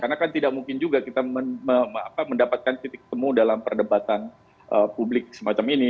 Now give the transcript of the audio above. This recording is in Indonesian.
karena kan tidak mungkin juga kita mendapatkan titik temu dalam perdebatan publik semacam ini